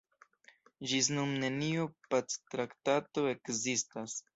Ĝis nun neniu pactraktato ekzistas.